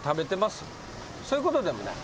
そういうことでもない？